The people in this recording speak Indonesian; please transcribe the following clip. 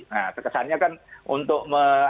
nah kesannya kan untuk